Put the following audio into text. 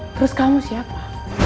terus kamu siapa